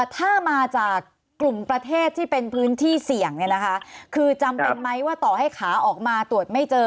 ถ้ามาจากกลุ่มประเทศที่เป็นพื้นที่เสี่ยงเนี่ยนะคะคือจำเป็นไหมว่าต่อให้ขาออกมาตรวจไม่เจอ